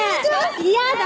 嫌だ